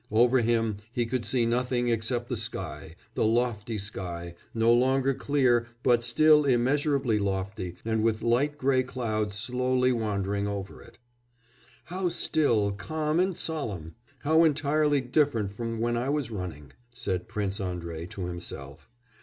Over him, he could see nothing except the sky, the lofty sky, no longer clear but still immeasurably lofty and with light grey clouds slowly wandering over it. "'How still, calm, and solemn! How entirely different from when I was running,' said Prince Andrei to himself.